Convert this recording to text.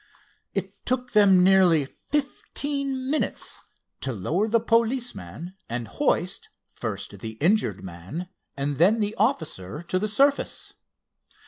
It took them nearly fifteen minutes to lower the policeman and hoist, first the injured man and then the officer, to the surface.